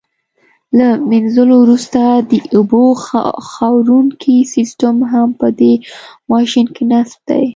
له منځلو وروسته د اوبو خاروونکی سیسټم هم په دې ماشین کې نصب دی.